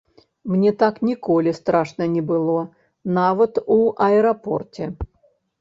Мне так ніколі страшна не было, нават у аэрапорце.